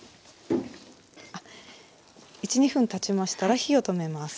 １２分たちましたら火を止めます。